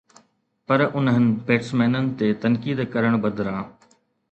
پر انهن بيٽسمينن تي تنقيد ڪرڻ بدران